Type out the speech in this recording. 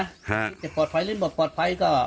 จะปลอดภัยเลยหมดปลอดภัยก็